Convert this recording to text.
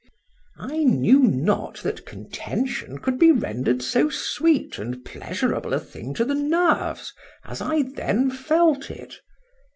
I knew not that contention could be rendered so sweet and pleasurable a thing to the nerves as I then felt it.